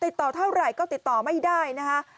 ติดต่อเท่าไหร่ก็ติดต่อไม่ได้นะคะ